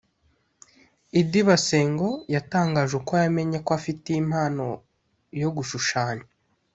Idi Basengo yatangaje uko yamenye ko afite impano yo gushashanya